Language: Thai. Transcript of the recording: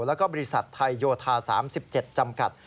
แล้วก็บริษัทไทยโยธา๓๗จำกัด